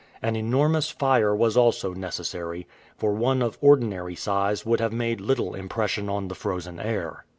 An enormous fire was also necessary, for one of ordinary size would have made little impression on the frozen air.